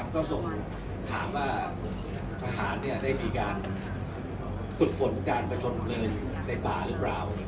ก็ส่งถามว่าทหารได้มีการฝึกฝนการประชนเพลิงในป่าหรือเปล่า